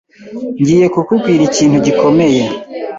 Ngiye kukubwira ikintu gikomeye.